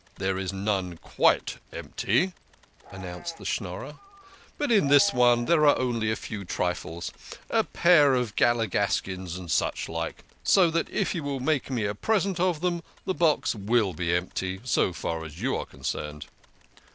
"There is none quite empty," announced the Schnorrer, "but in this one there are only a few trifles a pair of "MANASSEH CAREFULLY EXAMINED THE BOXES." galligaskins and such like so that if you make me a present of them the box will be empty, so far as you are concerned."